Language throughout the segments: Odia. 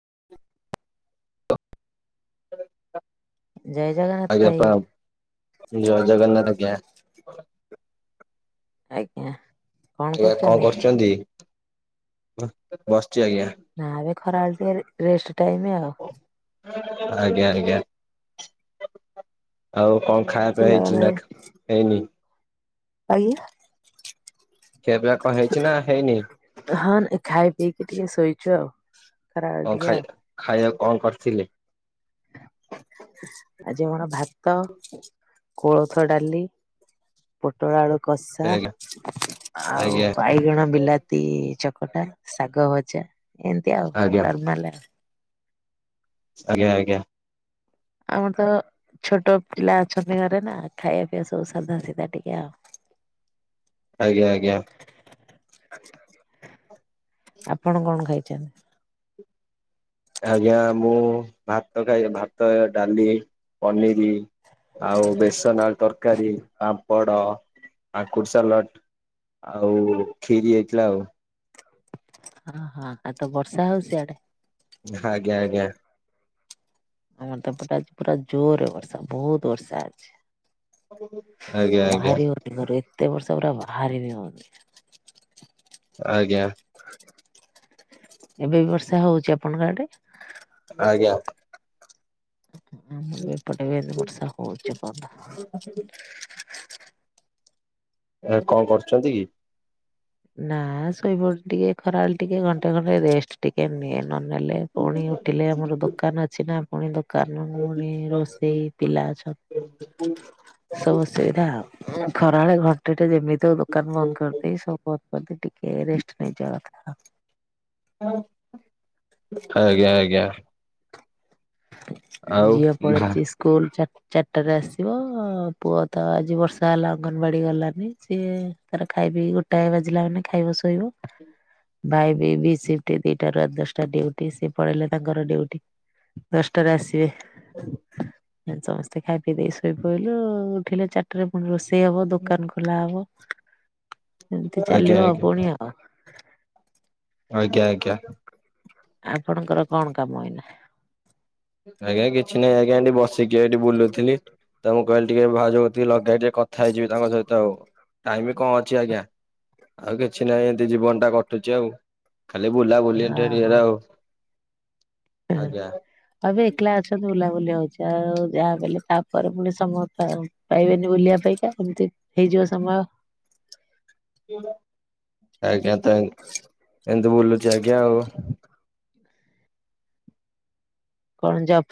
[unintelligible] ଜୟ ଜଗନ୍ନାଥ ଆଜ୍ଞା ଭାଇ। ପ୍ରଣାମ ଜୟ ଜଗନ୍ନାଥ ଆଜ୍ଞା। ଆଜ୍ଞା। ଆଜ୍ଞା କଣ କରୁଛନ୍ତି? [unintelligible] ନା ଏବେ ଖରାବେଳେ ଟିକେ ରେ ରେଷ୍ଟ ଟାଇମ୍ ଆଉ। ଆଜ୍ଞା ଆଜ୍ଞା ଆଉ? କଣ ଖାଇବା ପିଇବା ହେଇଛି ପିଲାମାନେ ନାକ୍ ହେଇନି? ଆଜ୍ଞା। ଖିଆ ପିଆ କଣ ହେଇଛି ନା ହେଇନି ହୁଁ, ହଁ ଖାଇ ପିଇକି ଟିକେ ଶୋଇଛୁ ଆଉ। ଖରାବେଳେ କଣ ଟିକେ ଆଉ ଖାଇଆ ଖାଇବା କଣ କରିଥିଲେ? ଆଜି ମୋର ଭାତ, କୋଳଥ ଡାଲି। ପୋଟଳ ଆଳୁ କଷା ଆଜ୍ଞା ଆଉ ଆଜ୍ଞା ବାଇଗଣ ବିଲାତି ଚ କଟା, ଶାଗ ଭଜା, ଏମିତି ଆଉ ଆଜ୍ଞା ନର୍ମାଲ ଆ। ଆଜ୍ଞା ଆଜ୍ଞା। ଆମର ତ ଛୋଟ ପିଲା ଅଛନ୍ତି ଘରେ ନା ଖାଇବା ପିଇବା ସବୁ ସାଧା ସିଧା ଟିକେ ଆଉ। [inaudible] ଆଜ୍ଞା ଆଜ୍ଞା। ଆପଣ କଣ ଖାଇଛନ୍ତି? ଆଜ୍ଞା ମୁଁ ଭାତ ଖାଇ ଭାତ, ଡାଲି, ପନିରି। ଆଉ ବେସନ ଆଳୁ ତରକାରୀ, ପାମ୍ପଡ। କାକୁଡି ସାଲଟ ଆଉ ଖିରି ହେଇଥିଲା ଆଉ। ହଁ ହଁ ଆଉ ତ ବର୍ଷା ହଉଚି ସିଆଡେ? ଆଜ୍ଞା ଆଜ୍ଞା। ଆମର ପୁରା ଅ ପୁରା ଜୋରରେ ବର୍ଷା ବହୁତ ବର୍ଷା ଅଛି। ଆଜ୍ଞା ଆଜ୍ଞା ବାହରି ହଉନି ଘରେ। ଏତେ ବର୍ଷା ପୁରା ବାହାରିବି ହୋଉନି। ଆଜ୍ଞା। ଏବେ ବି ବର୍ଷା ହଉଛି ଆପଣଙ୍କ ଆଡେ? ଆଜ୍ଞା। ଆମ ଏପଟେ ବି ଏନେ ବର୍ଷା ହଉଛି ଏପଯ୍ୟନ୍ତ। ଏବେ କଣ କରୁଛନ୍ତି କି? ନା ଶୋଇବେଳେ ଟିକେ ଖରାଲ ଟିକେ ଘଣ୍ଟେ ଘଣ୍ଟେ ରେଷ୍ଟ ଟିକେ ନିଏ। ନ ନେଲେ ପୁଣି ଉଠିଲେ ଆମର ଦୋକାନ ଅଛି ନା ପୁଣି ଦୋ କାନ ଫୁଣି ରୋଷେଇ ପିଲା ଅଛ ସବୁ ଅସୁବିଧା ଆଉ। ହୁଁ ଖରାବେଳେ ଘଣ୍ଟେ ଟା ଯେମିତି ହଉ ଦୋକାନ ବନ୍ଦ କରିଦେଇ ସବୁ ବନ୍ଦ କରିଦେଇ ଟିକେ ରେଷ୍ଟ ନେଇଯାଉ [unintelligible] ଆଜ୍ଞା ଆଜ୍ଞା। ଆଉ ଝିଅ ଭା ପଲେଇଛି ସ୍କୁଲ ଚା ଚାରିଟାରେ ଆସିବ ପୁଅ ତ ଆଜି ବର୍ଷା ହେଲା ଅଙ୍ଗନବାଡି ଗଲାନି ସିଏ ତାର ଖାଇ ଖାଇପିକି ଗୋଟାଏ ବାଜିଲା ମାନେ ଖାଇବ ଶୋଇବ। ଭାଇବି ବିସିଫ୍ଟ ଦିଟା ରୁ ରାତି ଦଶଟା ଡ୍ୟୁଟି ସିଏ ପଳେଇଲେ ତାଙ୍କର ଡ୍ୟୁଟି। ଦଶଟାରେ ଆସିବେ ସମସ୍ତେ। ମୋତେ ଖାଇ ପିଇ ଦେଇ ଶୋଇ ପଡ଼ିଲୁ ଉଠିଲେ ଚାରିଟାରେ ପୁଣି ରୋଷେଇ ହବ ଦୋକାନ ଖୋଲା ହବ। ଏମିତି ଆଜ୍ଞା ଚାଲିବ ଆଉ ଆଜ୍ଞା ପୁଣି ଆଉ। ଆଜ୍ଞା ଆଜ୍ଞା। ଆପଣଙ୍କର କଣ କାମ ଏଇନା? ଆଜ୍ଞା କିଛି ନାହିଁ ଆଜ୍ଞା ଏଠି ବସିକି ଏଠି ବୁଲୁଥିଲି ତ ମୁଁ କହିଲି ଟିକେ ଭାଉଜ କତିକି ଲଗାଏ ଟିକେ କଥା ହେଇଯିବି ତାଙ୍କ ସହ ତ ଟାଇମ ବି କଣ ଅଛି ଆଜ୍ଞା ଆଉ କିଛି ନାହିଁ ଏନତି ଜୀବନ ଟା କଟୁଛି ଆଉ। ଖାଲି ବୁଲା ବୁଲି [unintelligible] ଓହୋ ଆଉ ଆଜ୍ଞା। ଏବେ ଏକଲା ଅଛନ୍ତି ବୁଲାବୁଲି ହଉଛି। ଆଉ ଯାହାବି ହେଲେ ତାପରେ ପୁଣି ସମୟ ପା ପାଇବେନି ବୁଲିବା ପାଇଁକା ଏମତି ହେଇଯିବ ସମୟ। ହ ଆଜ୍ଞା ତାହେଲେ ଏନ୍ତି ବୋଲୁଛି ଆଜ୍ଞା ଆ। କଣ ଜବ?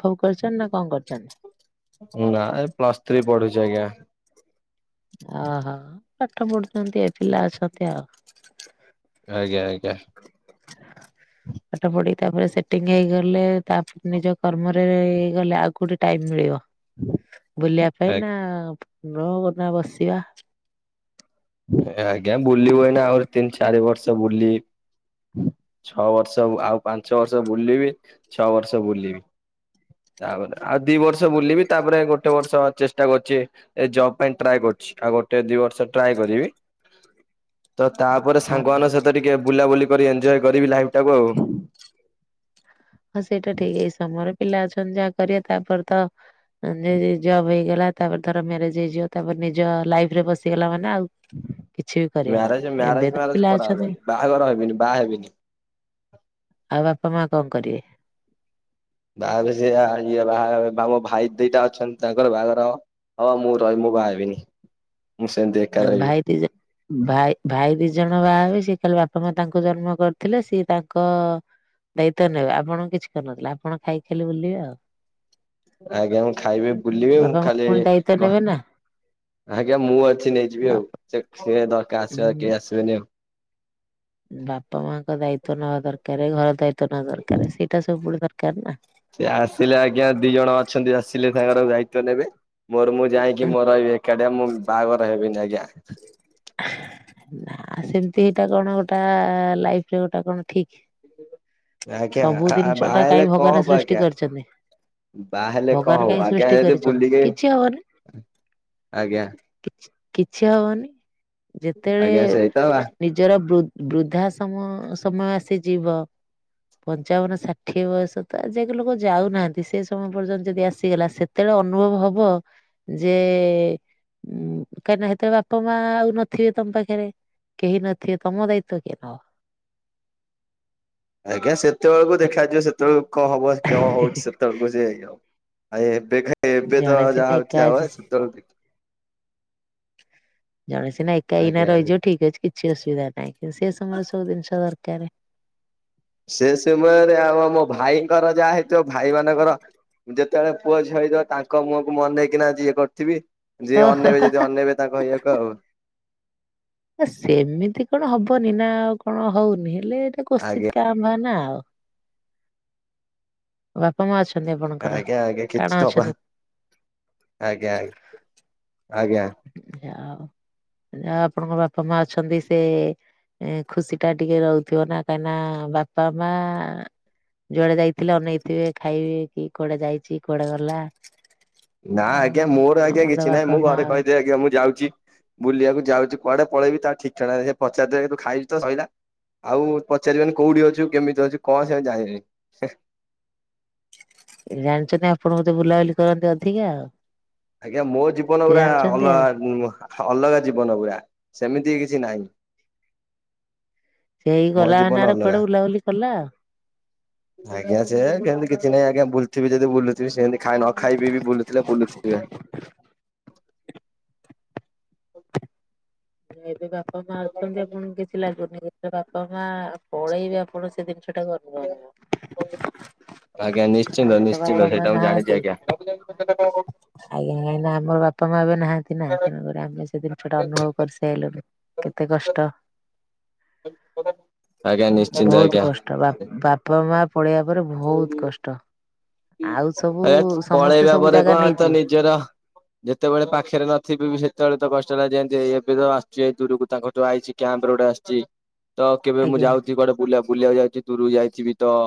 ନା ଏ ପ୍ଲସ ଥ୍ରୀ ପଢୁଚି ଆଜ୍ଞା। ଓହୋ ପାଠ ପଢୁଛନ୍ତି ଏ ପିଲା ଅଛନ୍ତି ଆଉ। ଆଜ୍ଞା ଆଜ୍ଞା। ପାଠ ପଢିକି ତାପରେ ସେଟିଙ୍ଗ ହେଇଗଲେ ତାପରେ ନିଜ କର୍ମରେ ହେଇଗଲେ ଆଉ କୋଉଠି ଟାଇମ୍ ମିଳିବ। ବୁଲିବା ପାଇଁ ନା ଆଜ୍ଞା ରହ ନା ବସିବା। ଆଜ୍ଞା ବୁଲିିବୁ ଏନା ଆହୁରି ତିନି ଚାରି ବର୍ଷ ବୁଲି ଛଅ ବର୍ଷ ଆଉ ପାଞ୍ଚ ବର୍ଷ ବୁଲିବି ଛଅ ବର୍ଷ ବୁଲିବି। ତାପରେ ଆଉ ଦି ବର୍ଷ ବୁଲିବି ତାପରେ ଗୋଟେ ବର୍ଷ ଚେଷ୍ଟା କରୁ ଯେ ଏ ଜବ ପାଇଁ ଟ୍ରାଏ କରୁଛି ଆଉ ଗୋଟେ ଦି ବର୍ଷ ଟ୍ରାଏ କରିବି। ତ ତାପରେ ହଁ ସାଙ୍ଗ ମାନଙ୍କ ସହିତ ଟିକେ ବୁଲାବୁଲି କରି ଏନଜୟ କରିବି ଲାଇଫ ଟାକୁ ଆଉ। ହଁ ସେଇଟା ଠିକ ଏଇ ସମୟରେ ପିଲା ଅଛନ୍ତି ଯାହା କରିବା ତାପରେ ତ [unintelligible] ଜବ ହେଇଗଲା ତାପରେ ଧର ମ୍ୟାରେଜ ହେଇଯିବ ତାପରେ ନିଜ ଲାଇଫରେ ପସିଗଲା ମାନ ନାଉ। କିଛି ବି ମ୍ୟାରେଜ କରିହବନି ମ୍ୟାରେଜ ଏବେ ତ ମ୍ୟାରେଜ ପିଲା ଅଛନ୍ତି। କରାହବନି ବାହାଘର ହେବିନି ବାହା ହେବିନି। ଆଉ ବାପା ମା କଣ କରିବେ? ତାପରେ ସେୟା ଆ ଇଏ ବାହା ବାମ ଭାଇ ଦିଟା ଅଛନ୍ତି ତାଙ୍କର ବାହାଘର ହବ। ହଁ ମୁଁ ରହିବି ମୁଁ ବାହା ହେବିନି। ମୁଁ ସେମିତି ଏକା ଆଁ ରହିବି। ଭାଇ ଦିଜ ଭାଇ ଭାଇ ଦି ଜଣ ବାହା ହେବେ ସିଏ ଖାଲି ବାପା ମା ତାଙ୍କୁ ଜନ୍ମ କରିଥିଲେ ସିଏ ତାଙ୍କ ଦାୟିତ୍ବ ନେବେ ଆପଣ କିଛି କରିନଥିଲେ ଆପଣ ଖାଇକି ଖାଲି ବୁଲିବେ ଆଉ। ଆଜ୍ଞା ମୁଁ ଖାଇବି ବୁଲିବି ମୁଁ ବାପା ମା ଖାଲି ପୁଣି ଦାୟିତ୍ଵ କ ନେବେ ନା ଆଜ୍ଞା ମୁଁ ଅ କିଛି ନେଇଯିବି ଆଉ। ବାପା ସେ [unintelligible] ଦରକାର ଆସିବ ଉଁ କେହି ଆସିବେନି ଆଉ। ବାପା ମାଆଙ୍କ ଦାୟିତ୍ବ ନବା ଦରକାର, ଘର ଦାୟିତ୍ବ ନବା ଦରକାର, ସେଇଟା ସବୁବେଳେ ଦରକାର ନା। ସେ ଆସିଲେ ଆଜ୍ଞା ଦି ଜଣ ଅଛନ୍ତି ଆସିଲେ ତାଙ୍କର ଦାୟିତ୍ଵ ନେବେ। ମୋର ମୁଁ ଯାଇକି ମୋର ରହିବି ଏକାଟିଆ ମୁଁ ବାହାଘର ହେବିନି ଆଜ୍ଞା। ଆଉ ସେମିତି ଏଇଟା କଣ ଗୋଟା ଲାଇଫରେ ଗୋଟା କଣ ଠିକ୍। ଆଜ୍ଞା ଆ-ଆ ଜିନିଷ ବାହା ଟା କାହିଁ ହେଲେ କଣ ଭଗବାନ ହବ ସୃଷ୍ଟି ଆଜ୍ଞା? କରିଛନ୍ତି ବାହାହେଲେ ଭଗବାନ କଣ ହବ? କାହିଁ ଆଜ୍ଞା ସୃଷ୍ଟି ଯଦି କରିଛନ୍ତି ବୁଲିକି କିଛି ହବନି। ଆଜ୍ଞା। କିଛି ହବନି। ଯେତେବେଳେ ଆଜ୍ଞା ସେଇତ ବା ନିଜର ବୃ-ବୃଦ୍ଧା ସମ-ସମୟ ଆସି ଯିବ ପଞ୍ଚାବନ ଷାଠିଏ ବୟସ ତ ଆଜିଯାକେ ଲୋକ ଯାଉନାହାଁନ୍ତି ସେ ସମୟ ପର୍ଯ୍ୟନ୍ତ ଯଦି ଆସିଗଲା ସେତେବେଳେ ଅନୁଭବ ହବ ଯେ ଉଁ କାହିଁକିନା ସେତବେଳେ ବାପା ମାଆ ଆଉ ନଥିବେ ତମ ପାଖେରେ। କେହି ନଥିବେ ତମ ଦାୟିତ୍ଵ କିଏ ନବ? ଆଜ୍ଞା ସେତେବେଳକୁ ଦେଖାଯିବ ସେତେବେଳକୁ କଣ ହବ କଣ ହଉଛି ସେତେବେଳକୁ ସିଏ ଇଏ [unintelligible] ଆଉ ଏବେ [unintelligible] ଏବେ ତ ଜଣେ ସିନା ଯାହା ଏକା ହଉଛି ଅଛି ହବ ସେତେବେଳକୁ ଦେଖ୍ ଜଣେ ସିନା ଏକା ଏଇନା ଆଜ୍ଞା ଆଜ୍ଞା। ରହିଯିବ ଠିକ ଅଛି କିଛି ଅସୁବିଧା ନାହିଁ। ସେ ସମୟରେ ସବୁ ଜିନିଷ ଦରକାରେ। ସେ ସମୟରେ ଆମ ମୋ ଭାଇଙ୍କର ଯାହା ହେଇଥିବ ଭାଇ ମାନଙ୍କର ଯେତେବେଳେ ପୁଅ ଝିଅ ହେଇଯିବ, ତାଙ୍କ ମୁହଁକୁ ମୁଁ ଅନେଇକିନା ଯିଏ କରିଥିବି। ଯିଏ ଓହୋ ଅନେଇବେ ଯଦି ଅନେଇବେ ତାଙ୍କ ଇଏକୁ ଆଉ। ଆ ସେମିତି କଣ ହବନି ନା ଆଉ କଣ ହଉନି ହେଲେ ଏଇଟା ଆଜ୍ଞା [unintelligible] ନୁହେଁ ନା ଆଉ। ହ [inaudible] ବାପା ମାଆ ଅଛ ଆଜ୍ଞା ଆଜ୍ଞା କିଛି [unintelligible] ଆଜ୍ଞା ଆଜ୍ଞା। ଆଜ୍ଞା। ଯାହା ହବ। ଆଉ ଆପଣଙ୍କ ବାପା ମାଆ ଅଛନ୍ତି ସେ ଏଁ ଖୁସିଟା ଟିକେ ରହୁଥିବ ନା କାହିଁକି ନା ବାପା ମାଆ ଯୁଆଡେ ଯାଇଥିଲେ ଅନେଇଥିବେ ଖାଇବେ କି କୁଆଡେ ଯାଇଛି କୁଆଡେ ଗଲା। ନା ଆଉ ଆଜ୍ଞା ମୋର ଆଜ୍ଞା ଆମର ତ କିଛି ନାହିଁ ବାପା ମୁଁ ମା ଘରେ ଆଉ କହିଦେବି ଆଜ୍ଞା ମୁଁ ଯାଉଛି ବୁଲିବାକୁ ଯାଉଛି କୁଆଡେ ପଳେଇବି ତା ଠିକ ଠିକଣା ନାଇଁ। ସେ ପଚାରି ଦେବେ ତୁ ଖାଇଚୁ ତ ସଇଲା। ଆଉ ପଚାରିବେନି କୋଉଠି ଅଛୁ? କେମିତି ଅଛୁ? କଣ ସେମାନେ ଜାଣିବେନି। ହେଁ। ଜାଣିଛନ୍ତି ଆପଣ ବୋଧେ ବୁଲାବୁଲି କରନ୍ତି ଅଧିକା ଆଉ। ଆଜ୍ଞା ମୋ ଜୀବନ ସେ ପୁରା ଜାଣିଛନ୍ତି ଅଲଗା ଆଉ ଆ ଉଁ ଅଲଗା ଜୀବନ ପୁରା ସେମିତି କିଛି ନାହିଁ। ସେଇ ମୋ ଗଲା ଜୀବନ ନା [unintelligible] ଅଲଗା। କୁଆଡେ ବୁଲାବୁଲି କଲା ଆଉ। ଆଜ୍ଞା ସେ କେମିତି କିଛି ନାହିଁ ଆଜ୍ଞା ବୁଲୁଥିବି ଯଦି ବୁଲୁଥିବି ସେମିତି ଖାଇ ନ ଖାଇ ପିଇ ବି ବୁଲୁଥିଲେ ବୁଲୁଥିବେ। [inaudible] ଏବେ ବାପା ମାଆ ଅଛନ୍ତି ଆପଣଙ୍କୁ କିଛି ଲାଗୁନି [unintelligible] ବାପା ମାଆ ଆ ପଳେଇବେ ଆପଣ ସେ ଜିନିଷଟାକୁ ଅନୁଭବ ହବ। ଆଜ୍ଞା ନିଶ୍ଚିନ୍ତ ଆମର ତ ନିଶ୍ଚିନ୍ତ ବାପା ମାଆ ସେଇଟା ମୁଁ ଜାଣିଛି ନାହାନ୍ତି ଆଜ୍ଞା। [unintelligible] କାହିଁ ନା ଆମର ବା ପା ମାଆ ଏବେ ନାହାନ୍ତି ନା ତେଣୁକରି ଆମେ ସେ ଜିନିଷଟା ଅନୁଭବ କରି ସାଇଁଲୁଣୁ, କେତେ କଷ୍ଟ। ଆଜ୍ଞା ନିଶ୍ଚିନ୍ତ ବହୁତ ଆଜ୍ଞା କଷ୍ଟ ବା-ବାପା ମାଆ ପଳେଇବା ପରେ ବହୁତ କଷ୍ଟ। ଆଉ ସବୁ ହେତ୍ ସମସ୍ତେ ପଳେଇବା ସବୁ ପରେ ଜାଗା କଣ ତ ନେଇଯିବେ ନିଜର ଯେତେବେଳେ ପାଖେରେ ନଥିବେ ବି ସେତେବେଳେ ତ କଷ୍ ଟ ଯେମିତି ହେଇ ଏବେ ତ ଆସିଛି ଏଇ ଦୂରକୁ ତାଙ୍କର ଯୋଉ ଆଇଛି କ୍ୟାମ୍ପରେ ଗୋଟେ ଆସିଛି ତ କେବେ ମୁଁ ଆଜ୍ଞା। ଯାଉଛି କୁଆଡେ ବୁଲା ବୁଲିବାକୁ ଯାଉଛି ଦୂରୁକୁ ଯାଇଥିବି ତ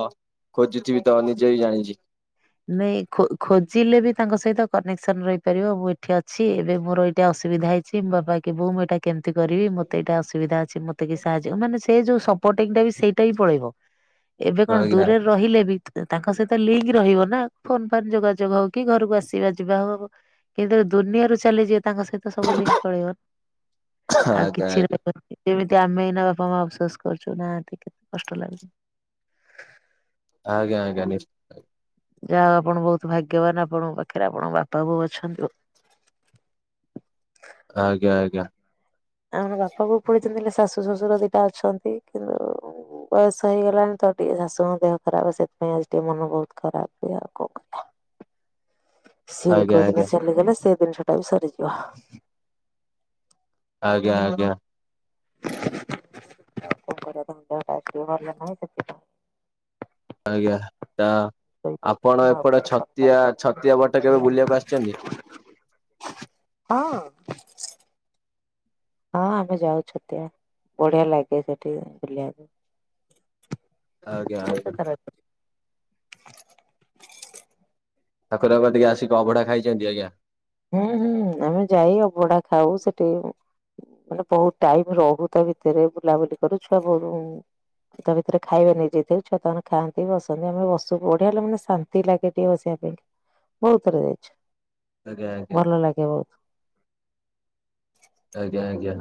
ଖୋଜୁଥିବି ତ ନିଜେ ବି ଜାଣିଛି। ନାଇଁ ଖୋ-ଖୋଜିଲେ ବି ତାଙ୍କ ସହିତ କନେକ୍ସନ ରହିପାରିବ ମୁଁ ଏଠି ଅଛି। ଏବେ ମୋର ଏଇଟା ଅ ସୁବିଧା ହେଇଚି ବାପାକି ବୋଉ ମୁଁ ଏଟା କେମିତିି କରିବି ମତେ ଏଇଟା ଅସୁବିଧା‌ ଅଛି। ମତେ କେହି ସାହାଯ୍ୟ ମାନେ ସେ ସେ ଯୋଉ ସପୋର୍ଟିଙ୍ଗ ଟା ବି ସେଇଟା ବି ପଳେଇବ ଏବେ କଣ ଆଜ୍ଞା ଦୂରରେ ରହିଲେ ବି ତାଙ୍କ ସହିତ ଲିଙ୍କ ରହିବ ନା ଫୋନ ଫାନ ଯୋଗାଯୋଗ ହୋଉ କି ଘରକୁ ଆସିବା ଯିବା ହୋଉ କିନ୍ତୁ ଦୁନିଆରୁ ଚାଲିଯି ତାଙ୍କ ସହିତ ସବୁ ଲିଙ୍କ ପଳେଇବ ଆଉ ଆଜ୍ଞା କିଛି ଆଜ୍ଞା। ରହିବନି। ଯେମିତି ଆମେ ଏଇନା ବାପା ମା ଅପୋସସ୍ କରୁଚୁ ନାହାଁନ୍ତି କେତେ କଷ୍ଟ ଲାଗୁଚି। ଆଜ୍ଞା ଆଜ୍ଞା ନିଶ୍ଚିତ ଆ ଯାହା ଆପଣ ବୋହୁତ ଭାଗ୍ୟବାନ ଆପଣଙ୍କ ପାଖରେ ଆପଣଙ୍କ ବାପା ବୋଉ ଅଛନ୍ତୁ। [inaudible] ଆଜ୍ଞା ଆଜ୍ଞା। ଆମର ବାପା ବୋଉ ପଳେଇଚନ୍ତି ହେଲେ ଶାଶୁ ଶଶୁର ଦିଟା ଅଛନ୍ତି କିନ୍ତୁ ବୟସ ହେଇଗଲାଣି ତ ଟିକେ ଶାଶୁଙ୍କ ଦେହ ଖରାପ ସେଥିପାଇଁ ଆଜି ଟିକେ ମନ ବୋହୁତ ଖରାପ ହୁଏ ଆଉ କଣ କରିବା। ସିଏ ବି ଆଜ୍ଞା କୋଉ ଦିନ ଚାଲିଗଲେ ସେ ଦିନିସଟା ବି ସରିଜିବ। ଆଜ୍ଞା ଆଜ୍ଞା। [unintelligible] ଭଲ ନାହିି ସେଥିପାଇଁ ଆଜ୍ଞା। ତ ଆପଣ ହଁ ଏପଟେ ଛତିଆ ଛତିଆ ବଟ କେବେ ବୁଲିବାକୁ ଆସିଚନ୍ତି? ହଁ। ହଁ ଆମେ ଯାଉ ଛତିଆ ବଢିଆ ଲାଗେ ସେଠି ବୁଲିବାକୁ। ଆଜ୍ଞା ଆଜ୍ଞା। ପାଖୁରାବାଦିକୁ ଆସିକି ଅଭଢା ଖାଇଛନ୍ତି ଆଜ୍ଞା? ହୁଁ ହୁଁ ଆମେ ଯାଇ ଅବଢା ଖାଉ ସେଟି ମାନେ ବୋହୁତ ଟାଇମ୍ ରହୁ ତା ଭିତରେ ବୁଲାବୁଲି କରୁ ଛୁଆ ବୋହୁତୁ ତା ଭିତରେ ଖାଇବେ ନେଇ ଯାଇଥିବୁ ଛୁଆ ତାଙ୍କର ଖାନ୍ତି ବସନ୍ତି ଆମେ ବସୁ ବଢିଆ ହେଲେ ମାନେ ଶାନ୍ତି ଲାଗେ ଟିକେ ବସିବା ବୋହୁତ ଥରେ ଯାଇଚୁ। ଆଜ୍ଞା ଆଜ୍ଞା ଭଲ ଲାଗେ ବୋହୁତ। ଆଜ୍ଞା ଆଜ୍ଞା।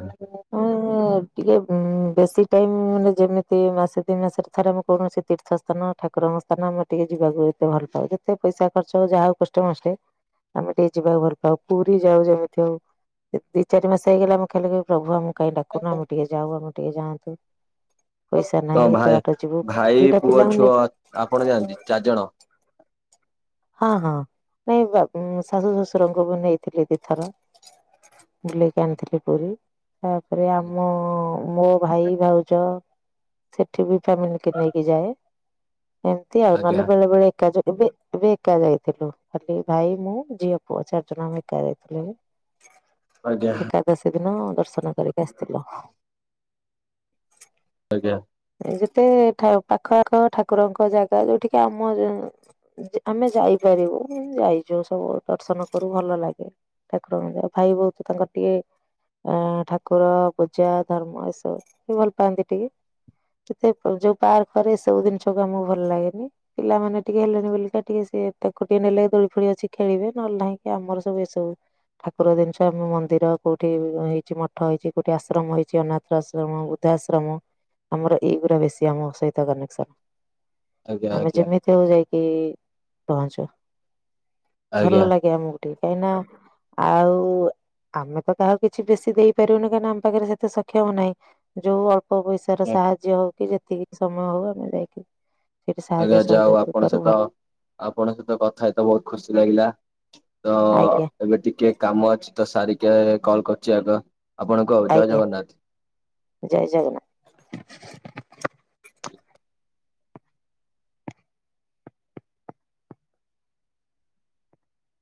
ହଁ ଟିକେ ହଁ ବେଶୀ ଟାଇମ୍ ମାନେ ଯେମିତି ମାସେ ଦି ମାସରେ ଥରେ ଆମଁ କୌଣସି ତୀର୍ଥସ୍ଥାନ ଠାକୁରଙ୍କ ସ୍ଥାନ ଆମେ ଟିକେ ଯିବାକୁ ଏତେ ଭଲ ପାଉ ଯେତେ ପଇସା ଖର୍ଚ୍ଚ ଯାହାହୋଉ କଷ୍ଟ ମଷ୍ଟେ ଆମେ ଟିକେ ଯିବାକୁ ଭଲ ପାଉ ପୁରି ଯାଉ ଯେମିତି ହୋଉ ଦି-ଦି ଚାରି ମାସ ହେଇଗଲା ଆମେ ଖାଲି ପ୍ରଭୁ ଆମକୁ କାଇଁ ଡାକୁନ ଆମେ ଟିକେ ଯାଉ ଆମେ ଟିକେ ଯାଆନ୍ତୁ। ପଇଷା ତମ ନାହିଁ ଏତେ ଭାଇ ବାଟ ଯିବୁ ଭାଇ ଦିଟା ପୁଅ ପିଲାଙ୍କୁ ଝୁଅ ନେଇ ଆପଣ ଯାଆନ୍ତି ଚାରି ଜଣ? ହଁ ହଁ ନାଇଁ ବା ଶାଶୁ ଶଶୁରଙ୍କୁ ବି ନେଇଥିଲି ଦି ଥର। ବୁଲେଇକି ଆଣିଥିଲି ପୁରି। ତାପରେ ଆମ ମୋ ଭାଇ ଭାଉଜ ସେଠି ବି ଫ୍ୟାମିଲି କି ନେଇକି ଯାଏ। ଏମତି ଆଉ ଆଜ୍ଞା ନହେଲେ ବେଳେ ବେଳେ ଏକା ଯା ଏବେ ଏବେ ଏକା ଯାଇଥିଲୁ ଖାଲି ଭାଇ ମୁଁ ଝିଅ ପୁଅ ଚାରିଜଣ ଆମେ ଏକା ଯାଇଥିଲୁ। ଆଜ୍ଞା ଏକାଦଶୀ ଦିନ ଦର୍ଶ ନା କରିକି ଆସିଥିଲୁ। ଆଜ୍ଞା। ଯେତେ ଠା ପାଖ ଆଖ ଠାକୁରଙ୍କ ଜାଗା ଯୋଉଠିକି ଆମ ଯ ଯା ଆମେ ଯାଇପା ରିବୁ ଯାଇଚୁ ସବୁ ଦର୍ଶନ କରୁ ଭଲ ଲାଗେ ଠାକୁରଙ୍କୁ ଭାଇ ବୋହୁତ ତାଙ୍କର ପିଏ ଅ ଠାକୁର ପୂଜା ଧର୍ମ ଏସବୁ ସେ ଭଲ ପାଆନ୍ତି ଟିକେ। ଏତେ କୋଉ ଯୋଉ ପାର୍କ ରେ ସବୁ ଜିନିଷକୁ ଆମକୁ ଭଲ ଲାଗେନି ପିଲାମାନେ ଟିକେ ହେଲେନି ବୋଲିକା ଟିକେ ସିଏ ତାକୁ ଟିକଏ ନେଲେ ଦୋଳି ଫୋଳି ଅଛି ଖେଳିବେ ନହେଲେ ନାହିଁକି ଆମର ସବୁ ଏସବୁ ଠାକୁର ଜିନିଷ ଆମ ମନ୍ଦିର କୋଉଠି ହେଇଚି ମଠ ହେଇଚି କୋଉଠି ଆଶ୍ରମ ହେଇଚି ଅନାଥ୍ରର ଆଶ୍ରମ ବୃଦ୍ଧା ଆଶ୍ରମ ଆମର ଏଇଗୁରା ବେଶୀ ଆମ ସହିତ କନେକ୍ସନ। ଆଜ୍ଞା ଆମେ ଆଜ୍ଞା ଯେମିତି ହୋଉ ଯାଇକି ପହଁଞ୍ଚ। ଭଲ ଆଜ୍ଞା। ଲାଗେ ଆମକୁ ଟିକେ। କାହିଁକି ନା ଆଉ ଆମେ ତ କାହାକୁ କିଛି ବେଶୀ ଦେଇପାରିବୁନି। କହିଁକିନା ଆମ ପାଖରେ ସେତେ ସକ୍ଷମ ନାହିଁ। ଯୋଉ ଅଳ୍ପ ପଇ ସାର ସାହାଯ୍ୟ ହଉ କି ଯେତିକି ସମୟ ହଉ ଆମେ ଯାଇକି ସେଠି ସାହାଯ୍ୟ ହେଲେ ଯାହଉ ସହଯୋଗ ଆପଣଙ୍କ କରୁ ଭଲ ସହିତ ଆପଣଙ୍କ ସହିତ କଥା ହେଇତ ବହୁତ ଖୁସି ଲାଗିଲା। ତ ଆଜ୍ଞା ଏବେ ଟିକେ କାମ ଅଛି। ତ ସାରିକି କଲ କରୁଛି ଆଗ। ଆପଣ କହୁ ଜୟ ଆଜ୍ଞା ଜଗନ୍ନାଥ୍। ଜୟ ଜଗନ୍ନାଥ।